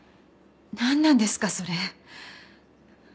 何なんですかそれ。